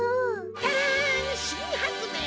タランしんはつめい！